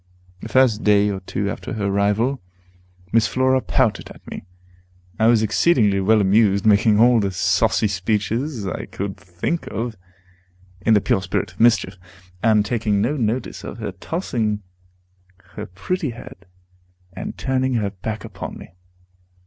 The first day or two after her arrival, Miss Flora pouted at me. I was exceedingly well amused, making all the saucy speeches I could think of, in the pure spirit of mischief, and taking no notice of her tossing her pretty head, and turning her back upon me.